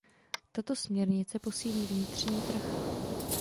Tato směrnice posílí vnitřní trh.